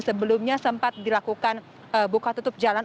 sebelumnya sempat dilakukan buka tutup jalan